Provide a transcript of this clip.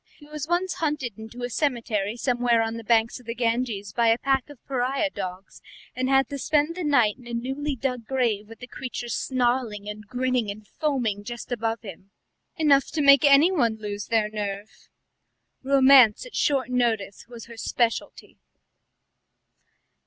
He was once hunted into a cemetery somewhere on the banks of the Ganges by a pack of pariah dogs, and had to spend the night in a newly dug grave with the creatures snarling and grinning and foaming just above him. Enough to make anyone lose their nerve." Romance at short notice was her speciality.